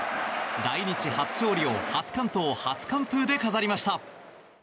来日初勝利を初完投、初完封で飾りました。